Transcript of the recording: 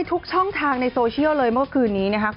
ทุกช่องทางในโซเชียลเลยเมื่อคืนนี้นะคะ